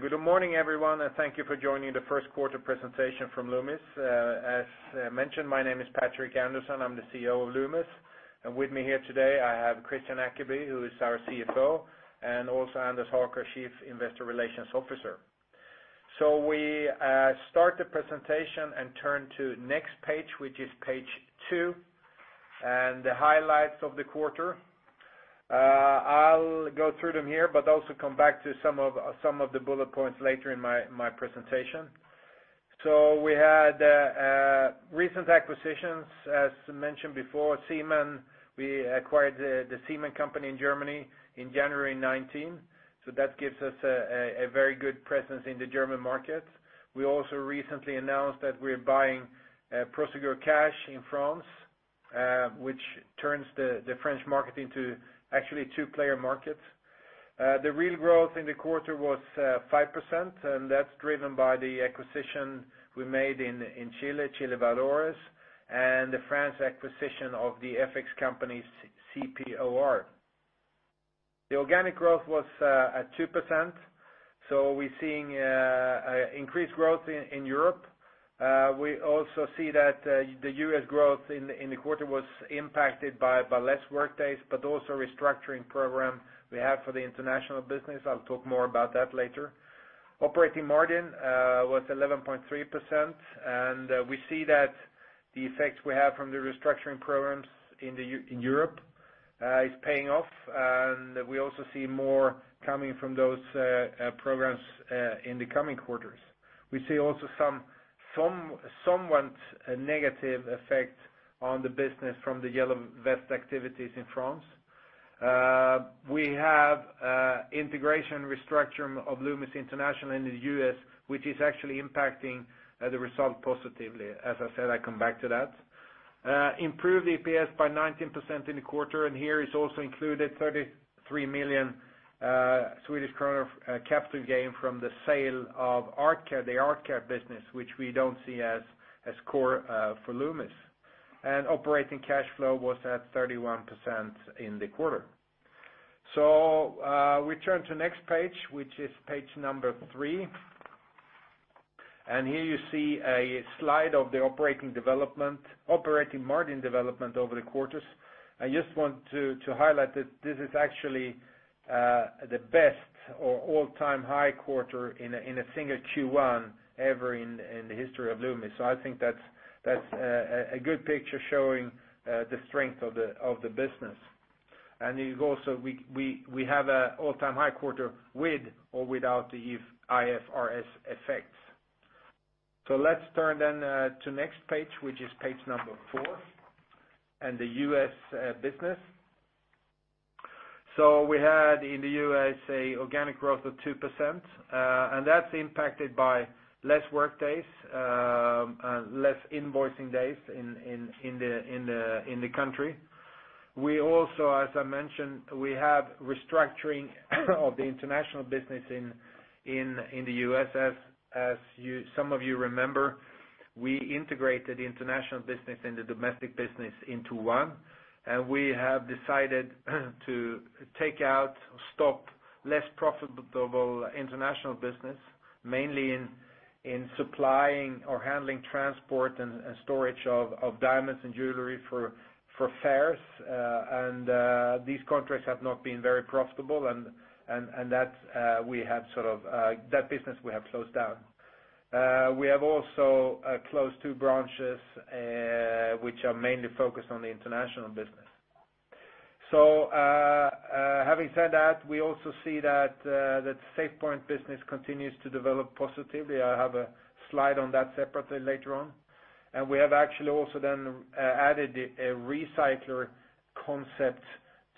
Good morning, everyone, and thank you for joining the first quarter presentation from Loomis. As mentioned, my name is Patrik Andersson. I am the President and CEO of Loomis, and with me here today I have Kristian Ackeby, who is our Chief Financial Officer, and also Anders Haker, Chief Investor Relations Officer. We start the presentation and turn to next page, which is page two, and the highlights of the quarter. I will go through them here, but also come back to some of the bullet points later in my presentation. We had recent acquisitions. As mentioned before, Ziemann, we acquired the Ziemann company in Germany in January 2019, that gives us a very good presence in the German market. We also recently announced that we are buying Prosegur Cash in France, which turns the French market into actually a two-player market. The real growth in the quarter was 5%, that is driven by the acquisition we made in Chile Valores, and the France acquisition of the FX company, CPoR. The organic growth was at 2%, we are seeing increased growth in Europe. We also see that the U.S. growth in the quarter was impacted by less workdays, but also restructuring program we have for the international business. I will talk more about that later. Operating margin was 11.3%, and we see that the effects we have from the restructuring programs in Europe is paying off, we also see more coming from those programs in the coming quarters. We see also somewhat negative effect on the business from the Yellow Vests activities in France. We have integration restructure of Loomis International in the U.S., which is actually impacting the result positively. As I said, I come back to that. Improved EPS by 19% in the quarter, here is also included 33 million Swedish kronor capital gain from the sale of the Artcare business, which we do not see as core for Loomis. Operating cash flow was at 31% in the quarter. We turn to next page, which is page number three. Here you see a slide of the operating margin development over the quarters. I just want to highlight that this is actually the best or all-time high quarter in a single Q1 ever in the history of Loomis. I think that is a good picture showing the strength of the business. We have a all-time high quarter with or without the IFRS effects. Let us turn then to next page, which is page number four, and the U.S. business. We had in the U.S. an organic growth of 2%, that is impacted by less workdays and less invoicing days in the country. We also, as I mentioned, we have restructuring of the international business in the U.S. As some of you remember, we integrated the international business and the domestic business into one, we have decided to take out or stop less profitable international business, mainly in supplying or handling transport and storage of diamonds and jewelry for fairs. These contracts have not been very profitable, that business we have closed down. We have also closed two branches, which are mainly focused on the international business. Having said that, we also see that SafePoint business continues to develop positively. I have a slide on that separately later on. We have actually also then added a recycler concept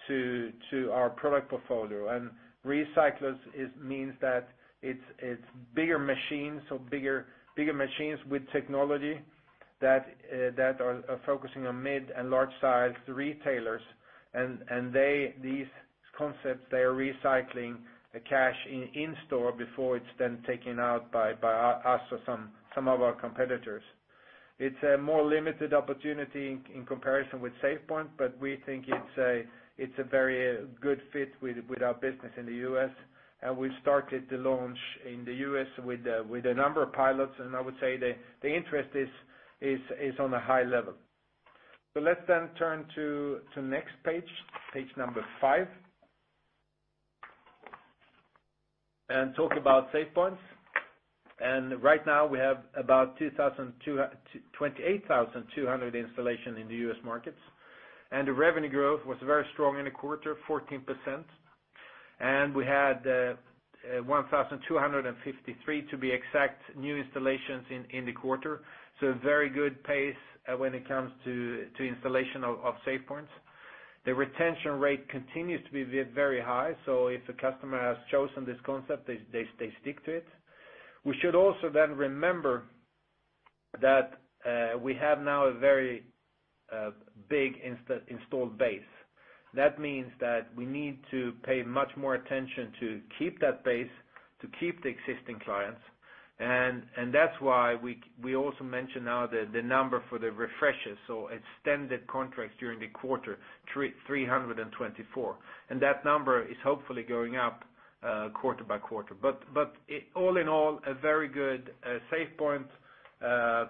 to our product portfolio. Recyclers means that it's bigger machines with technology that are focusing on mid and large-sized retailers. These concepts, they are recycling the cash in-store before it's then taken out by us or some of our competitors. It's a more limited opportunity in comparison with SafePoint, but we think it's a very good fit with our business in the U.S., and I would say the interest is on a high level. Let's turn to next page five, and talk about SafePoint. Right now we have about 28,200 installations in the U.S. markets, and the revenue growth was very strong in the quarter, 14%. We had 1,253, to be exact, new installations in the quarter. A very good pace when it comes to installation of SafePoint. The retention rate continues to be very high, if a customer has chosen this concept, they stick to it. We should also remember that we have now a very big installed base. That means we need to pay much more attention to keep that base, to keep the existing clients. That's why we also mention now the number for the refreshes, so extended contracts during the quarter, 324. That number is hopefully going up quarter by quarter. All in all, a very good SafePoint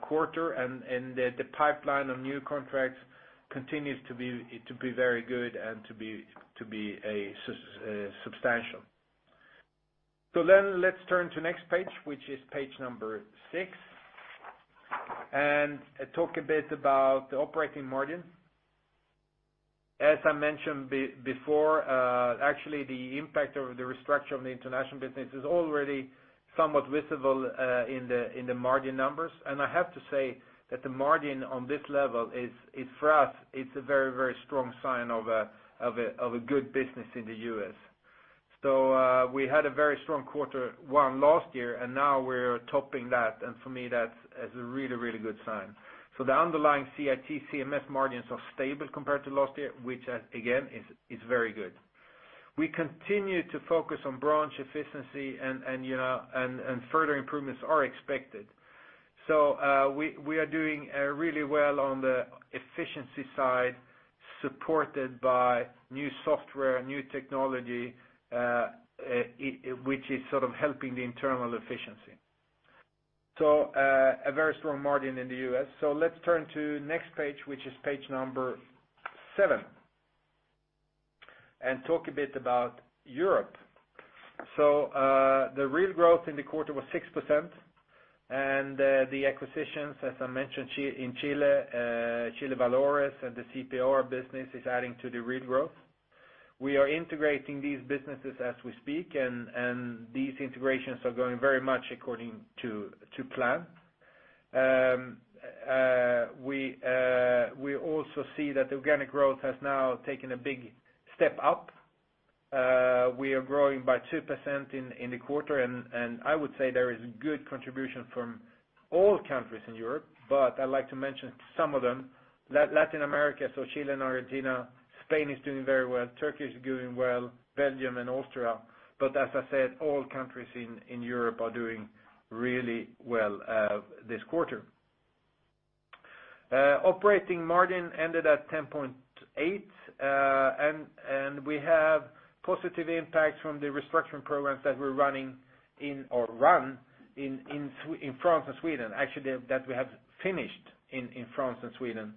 quarter, and the pipeline of new contracts continues to be very good and to be substantial. Let's turn to next page, which is page six, and talk a bit about the operating margin. As I mentioned before, actually the impact of the restructure of the international business is already somewhat visible in the margin numbers. I have to say that the margin on this level is, for us, it's a very strong sign of a good business in the U.S. We had a very strong quarter one last year, and now we're topping that, and for me, that's a really good sign. The underlying CIT CMS margins are stable compared to last year, which again, is very good. We continue to focus on branch efficiency and further improvements are expected. We are doing really well on the efficiency side, supported by new software, new technology which is sort of helping the internal efficiency. A very strong margin in the U.S. Let's turn to next page, which is page seven, and talk a bit about Europe. The real growth in the quarter was 6%, and the acquisitions, as I mentioned, in Chile Valores, and the CPoR Devises business is adding to the real growth. We are integrating these businesses as we speak, and these integrations are going very much according to plan. We also see that organic growth has now taken a big step up. We are growing by 2% in the quarter, and I would say there is good contribution from all countries in Europe, but I'd like to mention some of them. Latin America, so Chile and Argentina, Spain is doing very well, Turkey is doing well, Belgium and Austria. As I said, all countries in Europe are doing really well this quarter. Operating margin ended at 10.8%. We have positive impact from the restructuring programs that we have finished in France and Sweden.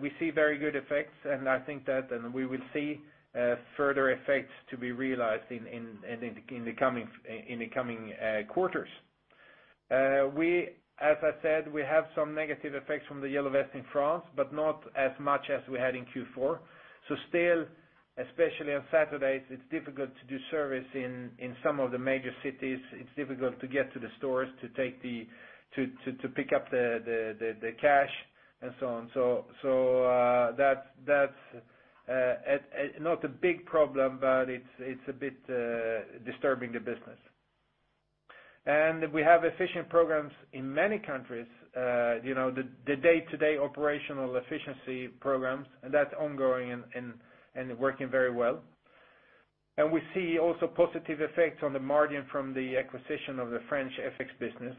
We see very good effects. I think that we will see further effects to be realized in the coming quarters. As I said, we have some negative effects from the Yellow Vests in France, but not as much as we had in Q4. Still, especially on Saturdays, it's difficult to do service in some of the major cities. It's difficult to get to the stores to pick up the cash, and so on. That's not a big problem, but it's a bit disturbing the business. We have efficient programs in many countries, the day-to-day operational efficiency programs, and that's ongoing and working very well. We see also positive effects on the margin from the acquisition of the French FX business.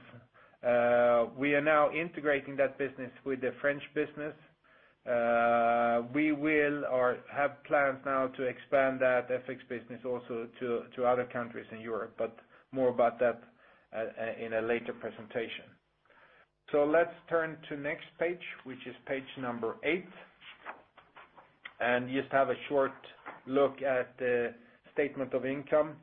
We are now integrating that business with the French business. We have plans now to expand that FX business also to other countries in Europe, but more about that in a later presentation. Let's turn to next page, which is page number eight, and just have a short look at the statement of income.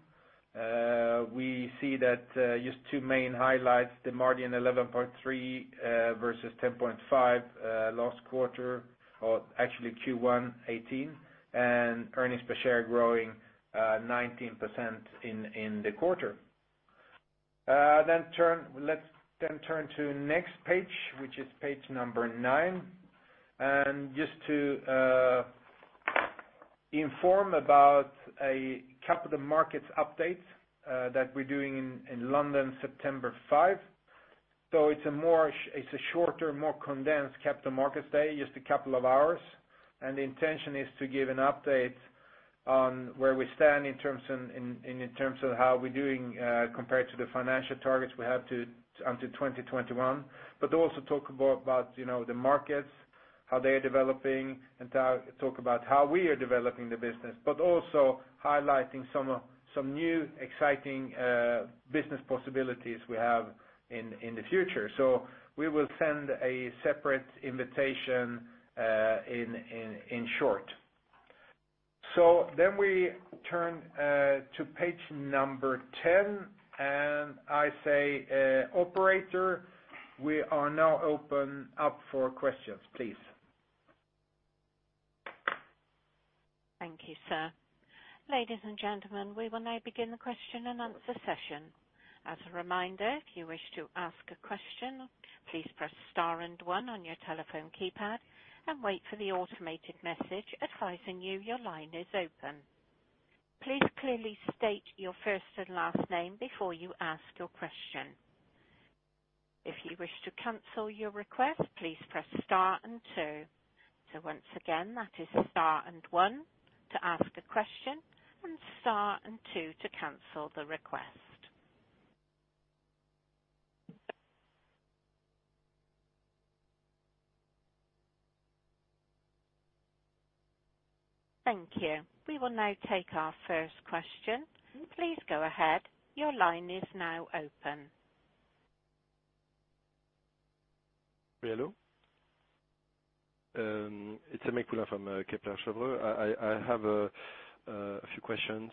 We see that just two main highlights, the margin 11.3% versus 10.5% last quarter or actually Q1 2018, and earnings per share growing 19% in the quarter. Let's turn to next page, which is page number nine, and just to inform about a capital markets update that we're doing in London, September 5. It's a shorter, more condensed capital markets day, just a couple of hours. The intention is to give an update on where we stand in terms of how we're doing compared to the financial targets we have until 2021, but also talk about the markets, how they are developing, and talk about how we are developing the business, but also highlighting some new, exciting business possibilities we have in the future. We will send a separate invitation in short. We turn to page number 10, and I say, operator, we are now open up for questions, please. Thank you, sir. Ladies and gentlemen, we will now begin the question and answer session. As a reminder, if you wish to ask a question, please press star and one on your telephone keypad and wait for the automated message advising you your line is open. Please clearly state your first and last name before you ask your question. If you wish to cancel your request, please press Star and two. Once again, that is Star and one to ask a question and Star and two to cancel the request. Thank you. We will now take our first question. Please go ahead. Your line is now open. Hello. It's Emmett Pula from Kepler Cheuvreux. I have a few questions.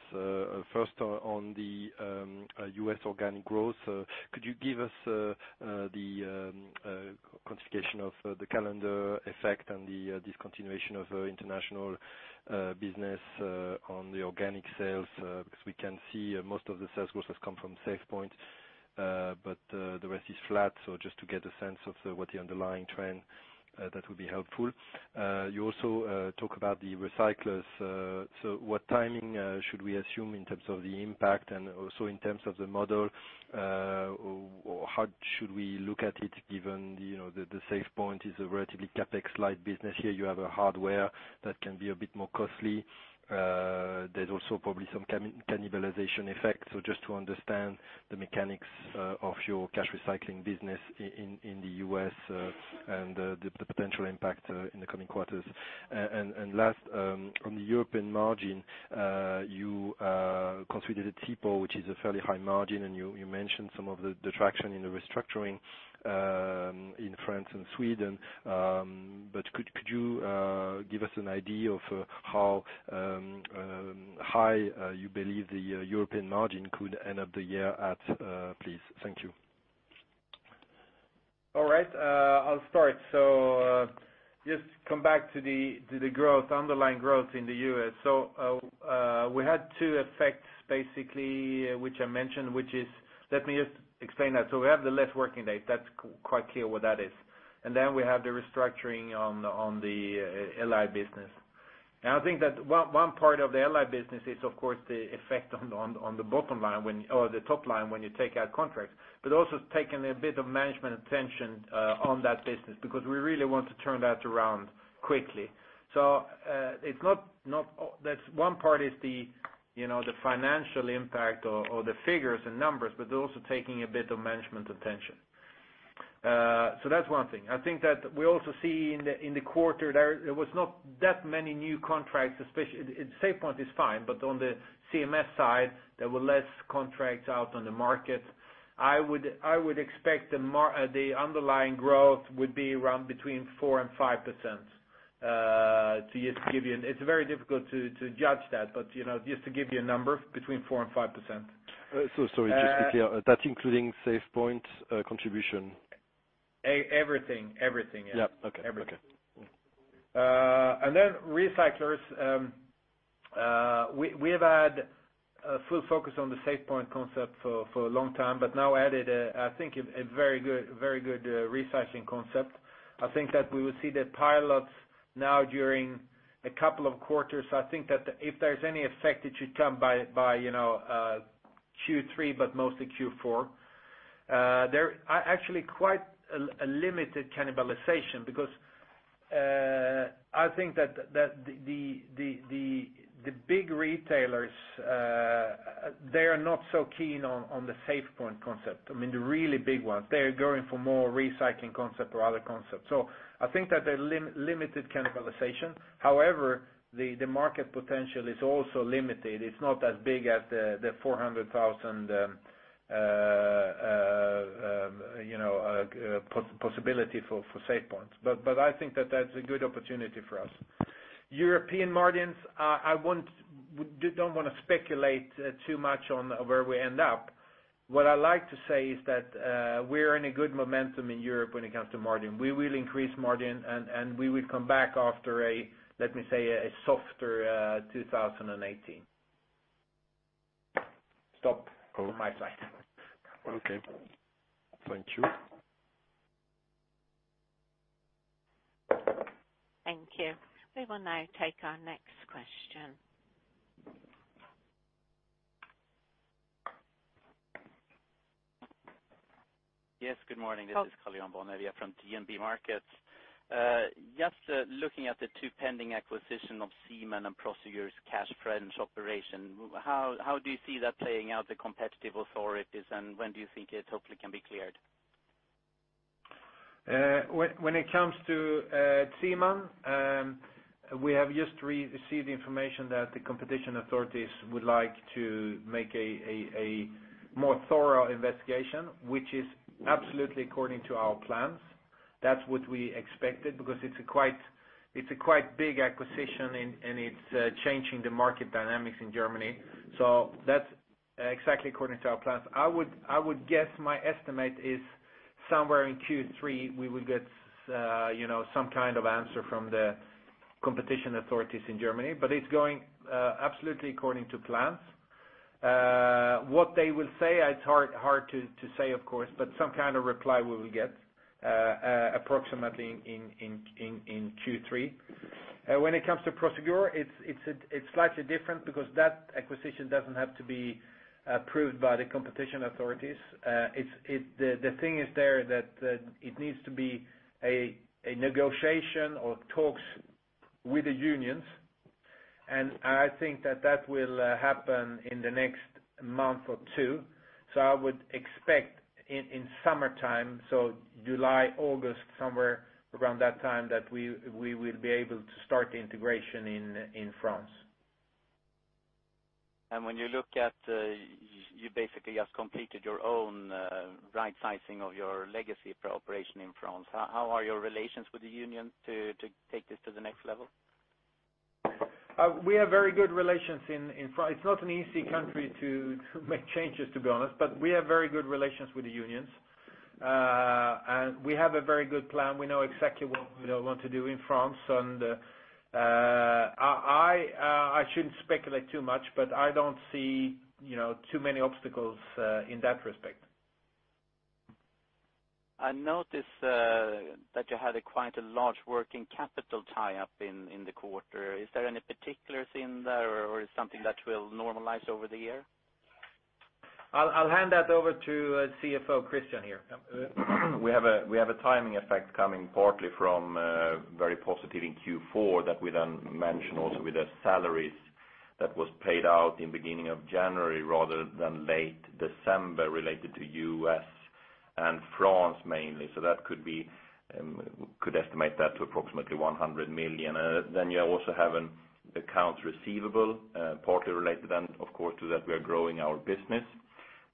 First on the U.S. organic growth. Could you give us the quantification of the calendar effect and the discontinuation of international business on the organic sales? We can see most of the sales growth has come from SafePoint, but the rest is flat. Just to get a sense of what the underlying trend, that would be helpful. You also talk about the recyclers. What timing should we assume in terms of the impact and also in terms of the model? How should we look at it given the SafePoint is a relatively CapEx-light business here. You have a hardware that can be a bit more costly. There's also probably some cannibalization effect. Just to understand the mechanics of your cash recycling business in the U.S. and the potential impact in the coming quarters. Last, on the European margin, you considered a typo, which is a fairly high margin, and you mentioned some of the traction in the restructuring in France and Sweden. Could you give us an idea of how high you believe the European margin could end up the year at, please? Thank you. All right. I'll start. Just come back to the growth, underlying growth in the U.S. We had two effects basically, which I mentioned. Let me just explain that. We have the less working days. That's quite clear what that is. We have the restructuring on the LI business. I think that one part of the LI business is of course, the effect on the bottom line or the top line when you take out contracts, but also it's taken a bit of management attention on that business because we really want to turn that around quickly. One part is the financial impact or the figures and numbers, but also taking a bit of management attention. That's one thing. I think that we also see in the quarter there was not that many new contracts. SafePoint is fine, but on the CMS side, there were less contracts out on the market. I would expect the underlying growth would be around between 4% and 5%. It's very difficult to judge that, but just to give you a number, between 4% and 5%. Sorry, just to be clear, that's including SafePoint contribution? Everything, yeah. Yeah. Okay. Everything. Recyclers, we have had a full focus on the SafePoint concept for a long time, but now added, I think a very good recycling concept. I think that we will see the pilots now during a couple of quarters. I think that if there's any effect, it should come by Q3, but mostly Q4. There are actually quite a limited cannibalization because I think that the big retailers, they are not so keen on the SafePoint concept. I mean, the really big ones. They're going for more recycling concept or other concepts. I think that there are limited cannibalization. However, the market potential is also limited. It's not as big as the 400,000 possibility for SafePoints. But I think that that's a good opportunity for us. European margins, I don't want to speculate too much on where we end up. What I like to say is that we are in a good momentum in Europe when it comes to margin. We will increase margin, and we will come back after a, let me say, a softer 2018. Stop from my side. Okay. Thank you. Thank you. We will now take our next question. Yes, good morning. This is Kalyan Bonavia from DNB Markets. Just looking at the two pending acquisition of Ziemann and Prosegur Cash French operation, how do you see that playing out the competitive authorities, and when do you think it hopefully can be cleared? When it comes to Ziemann, we have just received information that the competition authorities would like to make a more thorough investigation, which is absolutely according to our plans. That's what we expected because it's a quite big acquisition, and it's changing the market dynamics in Germany. That's exactly according to our plans. I would guess my estimate is somewhere in Q3, we will get some kind of answer from the competition authorities in Germany, but it's going absolutely according to plans. What they will say, it's hard to say, of course, but some kind of reply we will get approximately in Q3. When it comes to Prosegur, it's slightly different because that acquisition doesn't have to be approved by the competition authorities. The thing is there that it needs to be a negotiation or talks with the unions. I think that will happen in the next month or two. I would expect in summertime, July, August, somewhere around that time, that we will be able to start the integration in France. When you look at, you basically have completed your own right-sizing of your legacy operation in France. How are your relations with the unions to take this to the next level? We have very good relations in France. It's not an easy country to make changes, to be honest, we have very good relations with the unions. We have a very good plan. We know exactly what we want to do in France, I shouldn't speculate too much, but I don't see too many obstacles in that respect. I noticed that you had quite a large working capital tie-up in the quarter. Is there any particulars in there, or is something that will normalize over the year? I'll hand that over to CFO Kristian here. We have a timing effect coming partly from very positive in Q4 that we then mention also with the salaries that was paid out in beginning of January rather than late December, related to U.S. and France mainly. That could estimate that to approximately 100 million. You also have an accounts receivable, partly related then of course to that we are growing our business,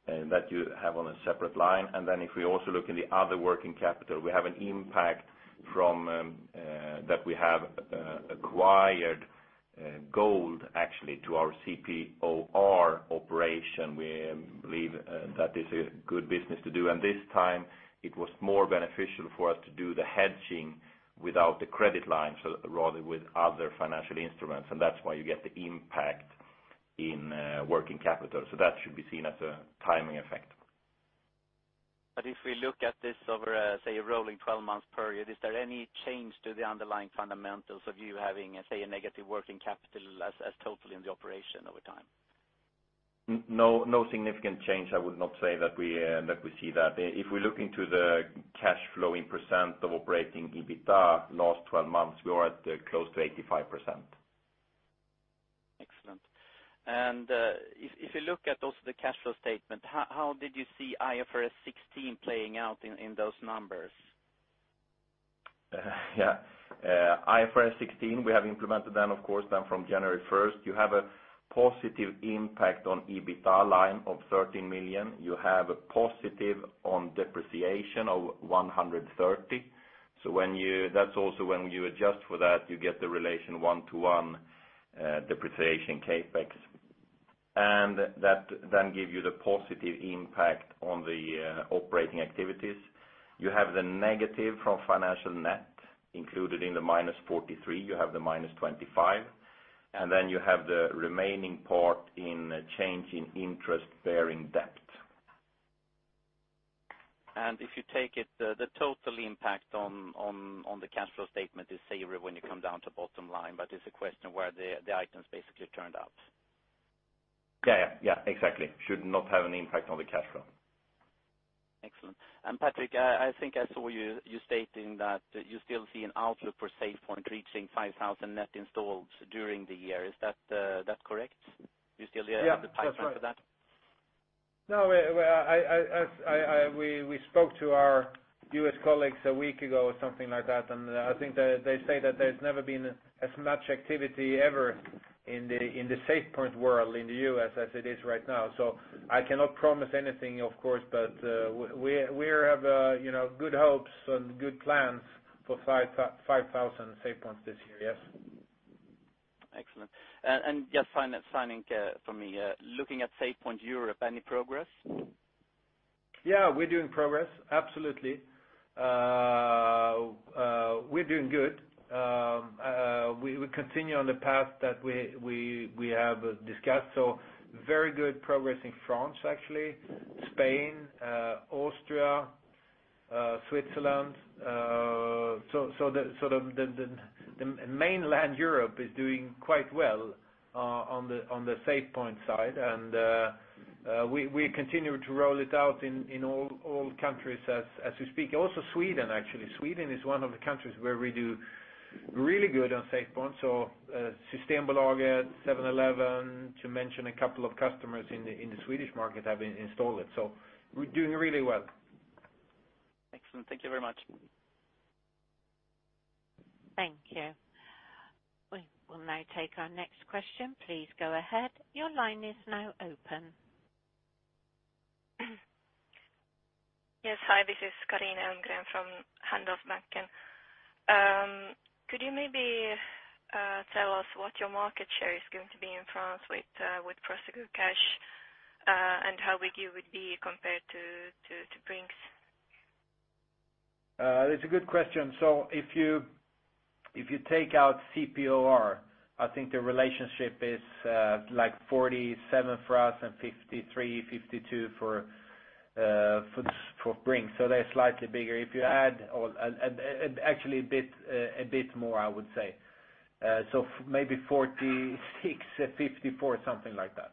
that you have on a separate line. If we also look in the other working capital, we have an impact from that we have acquired gold actually to our CPoR operation. We believe that is a good business to do. This time it was more beneficial for us to do the hedging without the credit line, so rather with other financial instruments. That's why you get the impact in working capital. That should be seen as a timing effect. If we look at this over, say, a rolling 12-month period, is there any change to the underlying fundamentals of you having, say, a negative working capital as total in the operation over time? No significant change. I would not say that we see that. If we look into the cash flow in % of operating EBITDA last 12 months, we are at close to 85%. Excellent. If you look at also the cash flow statement, how did you see IFRS 16 playing out in those numbers? Yeah. IFRS 16, we have implemented then of course then from January 1st. You have a positive impact on EBITDA line of 13 million. You have a positive on depreciation of 130. That's also when you adjust for that, you get the relation one to one depreciation CapEx. That then give you the positive impact on the operating activities. You have the negative from financial net included in the minus 43, you have the minus 25, then you have the remaining part in change in interest-bearing debt. If you take it, the total impact on the cash flow statement is same when you come down to bottom line, it's a question where the items basically turned out. Yeah. Exactly. Should not have any impact on the cash flow. Excellent. Patrik, I think I saw you stating that you still see an outlook for SafePoint reaching 5,000 net installs during the year. Is that correct? Yeah. The pipeline for that? No, we spoke to our U.S. colleagues a week ago, something like that, I think they say that there's never been as much activity ever in the SafePoint world in the U.S. as it is right now. I cannot promise anything, of course, but we have good hopes and good plans for 5,000 SafePoints this year. Yes. Excellent. Just final question for me. Looking at SafePoint Europe, any progress? Yeah, we're doing progress. Absolutely. We're doing good. We continue on the path that we have discussed. Very good progress in France, actually, Spain, Austria, Switzerland. The mainland Europe is doing quite well on the SafePoint side. We continue to roll it out in all countries as we speak. Also Sweden, actually. Sweden is one of the countries where we do really good on SafePoint. Systembolaget, 7-Eleven, to mention a couple of customers in the Swedish market have installed it. We're doing really well. Excellent. Thank you very much. Thank you. We will now take our next question. Please go ahead. Your line is now open. Yes, hi. This is Carina Almgren from Handelsbanken. Could you maybe tell us what your market share is going to be in France with Prosegur Cash, and how big you would be compared to Brink's? It's a good question. If you take out CPoR, I think the relationship is like 47 for us and 53, 52 for Brink's. They're slightly bigger. Actually a bit more, I would say. Maybe 46, 54, something like that.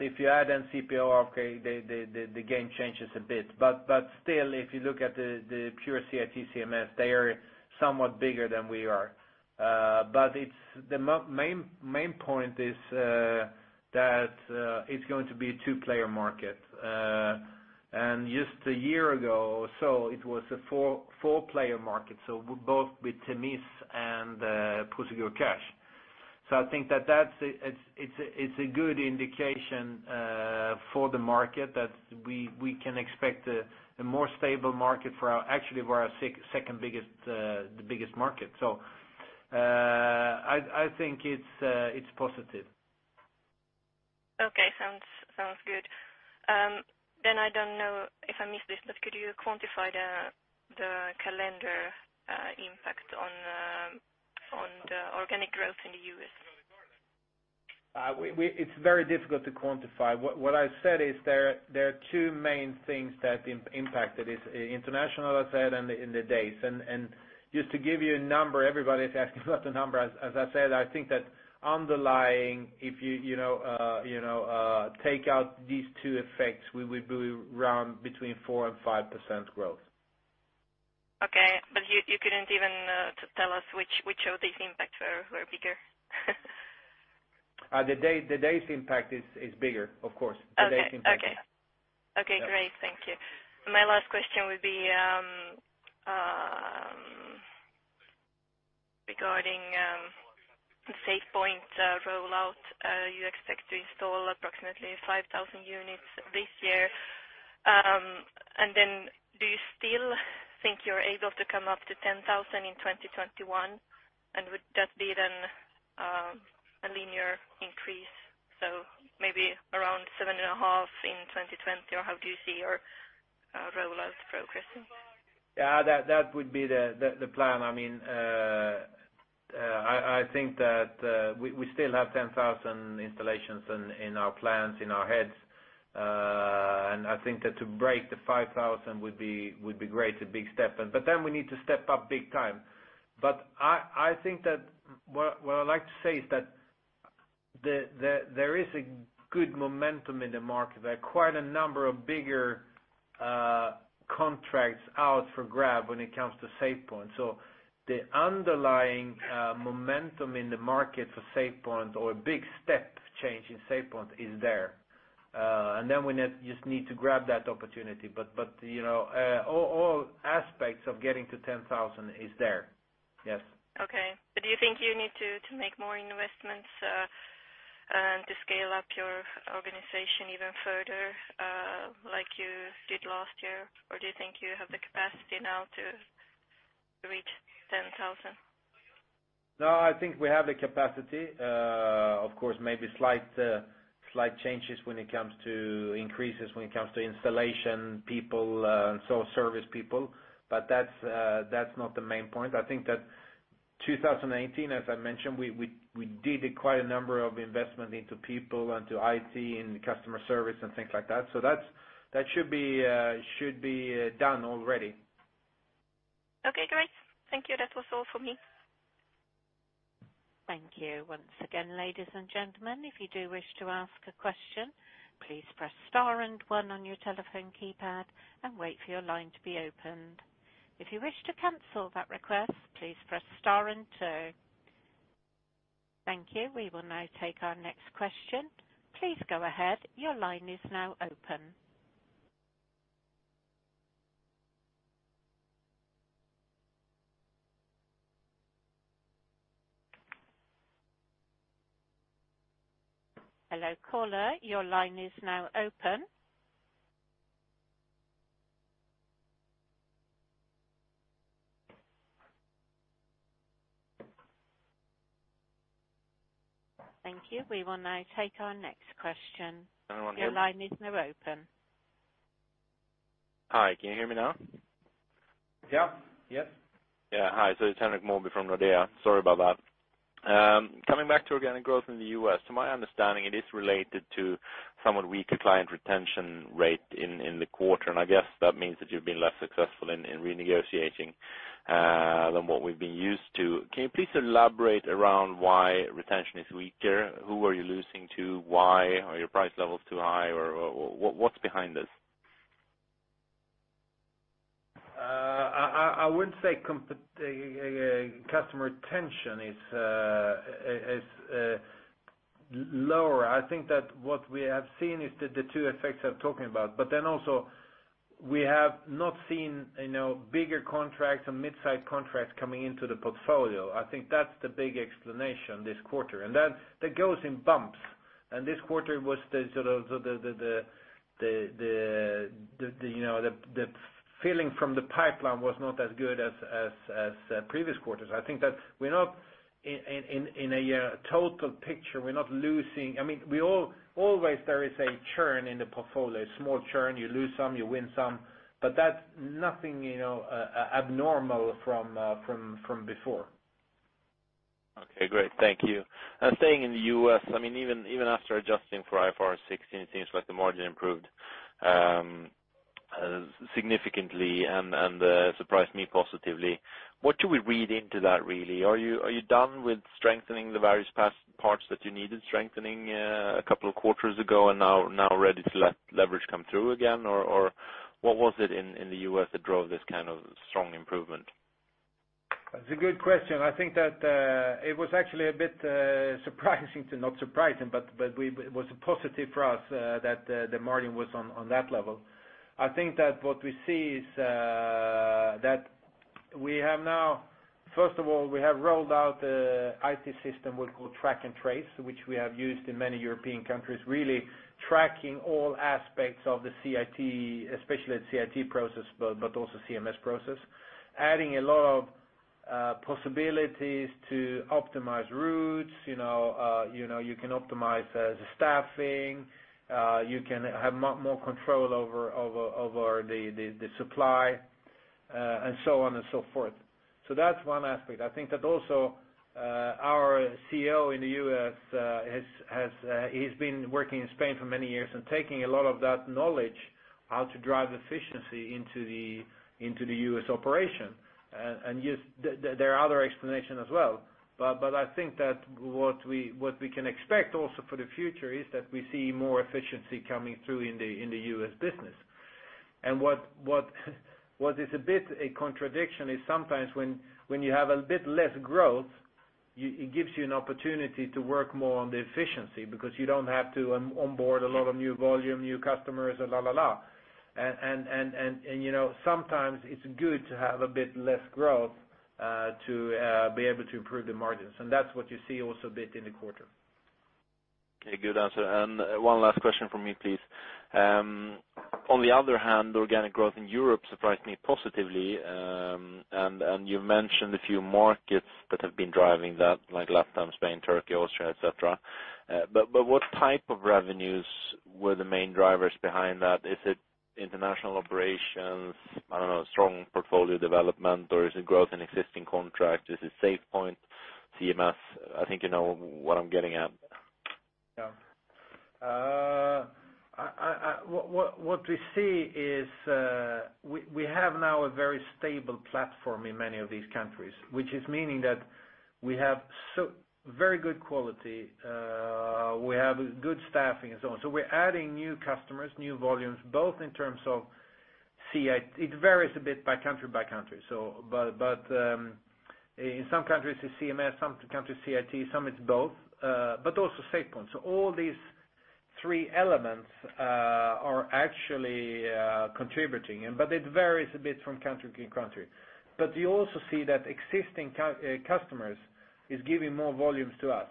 If you add in CPoR, okay, the game changes a bit. Still, if you look at the pure CIT CMS, they are somewhat bigger than we are. The main point is that it's going to be a two-player market. Just a year ago or so, it was a four-player market. Both with Themis and Prosegur Cash. I think that it's a good indication for the market that we can expect a more stable market for actually our second biggest market. I think it's positive. Okay. Sounds good. I don't know if I missed this, could you quantify the calendar impact on the organic growth in the U.S.? It's very difficult to quantify. What I said is there are two main things that impacted this, international, I said, and the days. Just to give you a number, everybody's asking about the number. As I said, I think that underlying, if you take out these two effects, we will be around between 4% and 5% growth. Okay. You couldn't even tell us which of these impacts were bigger? The days impact is bigger, of course. The days impact. Okay. Great. Thank you. My last question would be regarding SafePoint rollout. You expect to install approximately 5,000 units this year. Do you still think you're able to come up to 10,000 in 2021? Would that be a linear increase, so maybe around 7,500 in 2020, or how do you see your rollouts progressing? Yeah, that would be the plan. I think that we still have 10,000 installations in our plans, in our heads. I think that to break the 5,000 would be great, a big step, we need to step up big time. I think that what I'd like to say is that there is a good momentum in the market. There are quite a number of bigger contracts out for grab when it comes to SafePoint. The underlying momentum in the market for SafePoint, or a big step change in SafePoint is there. We just need to grab that opportunity. All aspects of getting to 10,000 is there. Yes. Okay. Do you think you need to make more investments and to scale up your organization even further, like you did last year? Do you think you have the capacity now to reach 10,000? No, I think we have the capacity. Of course, maybe slight changes when it comes to increases, when it comes to installation people, so service people. That's not the main point. I think that 2019, as I mentioned, we did quite a number of investment into people, into IT, in customer service and things like that. That should be done already. Okay, great. Thank you. That was all for me. Thank you. Once again, ladies and gentlemen, if you do wish to ask a question, please press star and one on your telephone keypad and wait for your line to be opened. If you wish to cancel that request, please press star and two. Thank you. We will now take our next question. Please go ahead. Your line is now open. Hello, caller. Your line is now open. Thank you. We will now take our next question. Anyone here? Your line is now open. Hi, can you hear me now? Yeah. Yeah. Hi, it's Henrik Mosebach from Nordea. Sorry about that. Coming back to organic growth in the U.S., to my understanding, it is related to somewhat weaker client retention rate in the quarter, and I guess that means that you've been less successful in renegotiating than what we've been used to. Can you please elaborate around why retention is weaker? Who are you losing to? Why? Are your price levels too high? What's behind this? I wouldn't say customer retention is lower. I think that what we have seen is the two effects I'm talking about. Also, we have not seen bigger contracts or mid-size contracts coming into the portfolio. I think that's the big explanation this quarter, and that goes in bumps. This quarter was the feeling from the pipeline was not as good as previous quarters. I think that in a total picture, we're not losing. Always there is a churn in the portfolio, a small churn. You lose some, you win some, that's nothing abnormal from before. Okay, great. Thank you. Staying in the U.S., even after adjusting for IFRS 16, it seems like the margin improved significantly and surprised me positively. What do we read into that, really? Are you done with strengthening the various parts that you needed strengthening a couple of quarters ago and now ready to let leverage come through again? What was it in the U.S. that drove this kind of strong improvement? That's a good question. I think that it was actually a bit surprising, to not surprise him. It was a positive for us that the margin was on that level. I think that what we see is that we have now, first of all, we have rolled out the IT system we call Track and Trace, which we have used in many European countries, really tracking all aspects of the CIT, especially the CIT process, but also CMS process. Adding a lot of possibilities to optimize routes, you can optimize the staffing, you can have more control over the supply, and so on and so forth. That's one aspect. I think that also our CEO in the U.S., he's been working in Spain for many years and taking a lot of that knowledge how to drive efficiency into the U.S. operation. There are other explanation as well. I think that what we can expect also for the future is that we see more efficiency coming through in the U.S. business. What is a bit a contradiction is sometimes when you have a bit less growth, it gives you an opportunity to work more on the efficiency because you don't have to onboard a lot of new volume, new customers. Sometimes it's good to have a bit less growth to be able to improve the margins. That's what you see also a bit in the quarter. Okay, good answer. One last question from me, please. On the other hand, organic growth in Europe surprised me positively. You mentioned a few markets that have been driving that, like last time, Spain, Turkey, Austria, et cetera. What type of revenues were the main drivers behind that? Is it international operations? I don't know, strong portfolio development, or is it growth in existing contract? Is it SafePoint, CMS? I think you know what I'm getting at. Yeah. What we see is we have now a very stable platform in many of these countries, which is meaning that we have very good quality, we have good staffing and so on. We're adding new customers, new volumes, both in terms of CI-- it varies a bit by country by country. In some countries, it's CMS, some countries CIT, some it's both, but also SafePoint. All these three elements are actually contributing, but it varies a bit from country to country. You also see that existing customers is giving more volumes to us.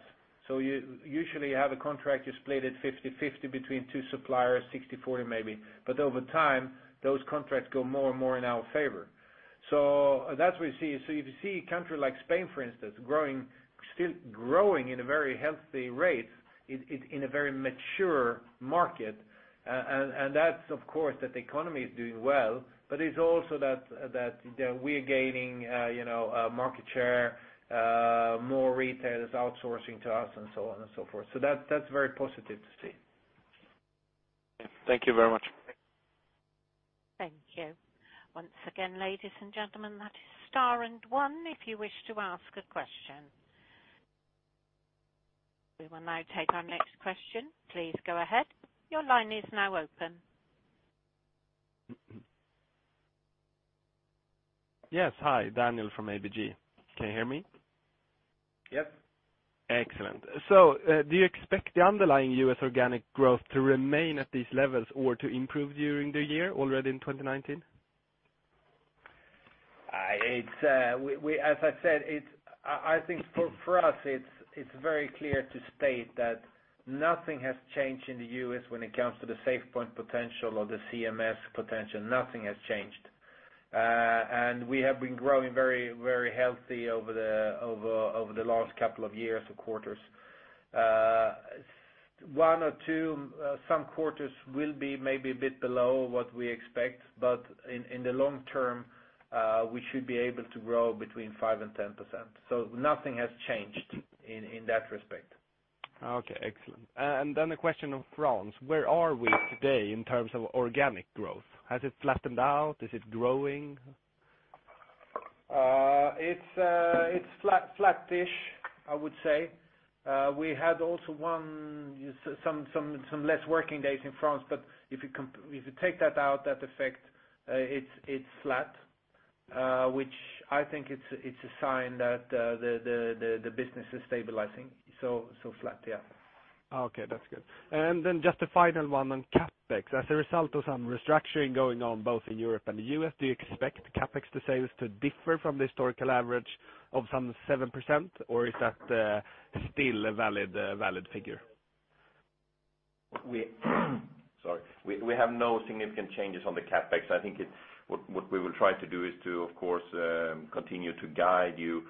You usually have a contract, you split it 50/50 between two suppliers, 60/40 maybe. Over time, those contracts go more and more in our favor. That's what you see. If you see a country like Spain, for instance, still growing in a very healthy rate in a very mature market. That's, of course, that the economy is doing well, but it's also that we are gaining market share, more retailers outsourcing to us and so on and so forth. That's very positive to see. Thank you very much. Thank you. Once again, ladies and gentlemen, that is star and one if you wish to ask a question. We will now take our next question. Please go ahead. Your line is now open. Yes, hi. Daniel from ABG. Can you hear me? Yep. Excellent. Do you expect the underlying U.S. organic growth to remain at these levels or to improve during the year already in 2019? As I said, I think for us, it's very clear to state that nothing has changed in the U.S. when it comes to the SafePoint potential or the CMS potential. Nothing has changed. We have been growing very healthy over the last couple of years or quarters. One or two, some quarters will be maybe a bit below what we expect, but in the long term, we should be able to grow between 5% and 10%. Nothing has changed in that respect. Okay, excellent. A question on France. Where are we today in terms of organic growth? Has it flattened out? Is it growing? It's flat-ish, I would say. We had also some less working days in France, if you take that out, that effect, it's flat, which I think it's a sign that the business is stabilizing. Flat, yeah. Okay, that's good. Just a final one on CapEx. As a result of some restructuring going on both in Europe and the U.S., do you expect CapEx to sales to differ from the historical average of some 7%? Is that still a valid figure? We have no significant changes on the CapEx. I think what we will try to do is to, of course, continue to guide you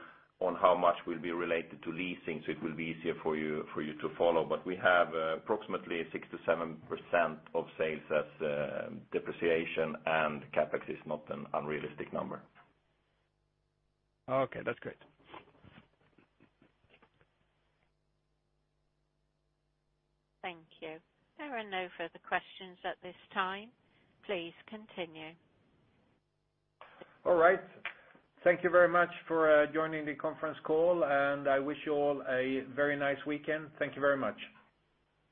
on how much will be related to leasing, so it will be easier for you to follow. We have approximately 6%-7% of sales as depreciation, and CapEx is not an unrealistic number. Okay, that's great. Thank you. There are no further questions at this time. Please continue. All right. Thank you very much for joining the conference call. I wish you all a very nice weekend. Thank you very much.